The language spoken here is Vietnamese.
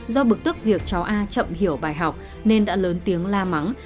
do bực tức việc cháu a chậm hiểu bài học nên đã lớn tiếng la mắng